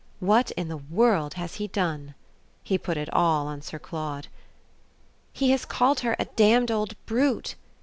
"What in the world has he done?" He put it all on Sir Claude. "He has called her a damned old brute."